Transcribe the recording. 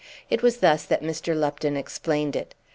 It was thus that Mr. Lupton explained it.